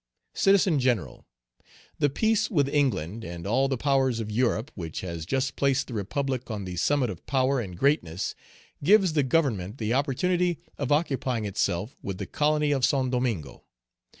"CITIZEN GENERAL, "The peace with England, and all the Powers of Europe, which has just placed the Republic on the summit of power and greatness, gives the Government the opportunity of occupying itself with the colony of Saint Domingo.